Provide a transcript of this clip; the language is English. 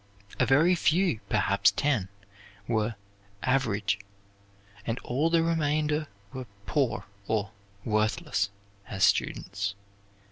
A very few, perhaps ten, were 'average,' and all the remainder were 'poor' or 'worthless' as students.